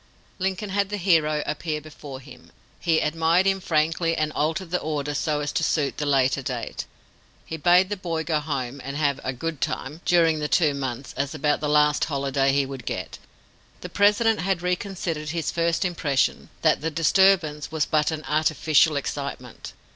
Lincoln had the hero appear before him. He admired him frankly and altered the order so as to suit the later date. He bade the boy go home and have "a good time" during the two months, as about the last holiday he would get. The President had reconsidered his first impression that the "disturbance" was but "an artificial excitement."